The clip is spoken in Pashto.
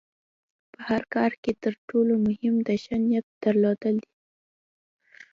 په هر کار کې د تر ټولو مهم د ښۀ نیت درلودل دي.